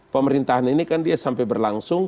pemerintahan ini kan dia sampai berlangsung